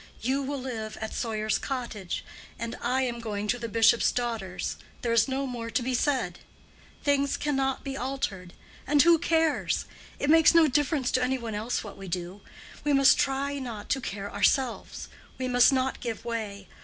You will live at Sawyer's Cottage, and I am going to the bishop's daughters. There is no more to be said. Things cannot be altered, and who cares? It makes no difference to any one else what we do. We must try not to care ourselves. We must not give way.